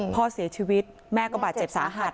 พ่อเสียชีวิตแม่ก็บาดเจ็บสาหัส